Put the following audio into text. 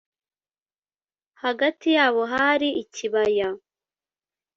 hagati yabo hari ikibaya.